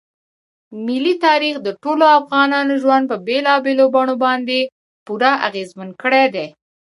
ملي تاریخ د ټولو افغانانو ژوند په بېلابېلو بڼو باندې پوره اغېزمن کړی دی.